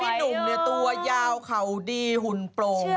พี่นุ่มตัวยาวเขาดีหุ่นโปรง